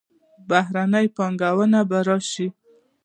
بهرنۍ پانګونه به راشي.